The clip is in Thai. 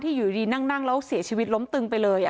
อยู่ดีนั่งแล้วเสียชีวิตล้มตึงไปเลย